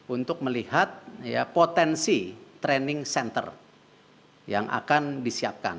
untuk melihat potensi training center yang akan disiapkan